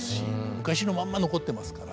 昔のまんま残ってますから。